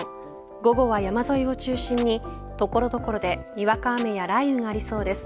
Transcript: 午後は山沿いを中心に所々でにわか雨や雷雨がありそうです。